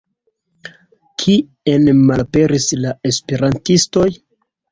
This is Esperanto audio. Kien malaperis la esperantistoj?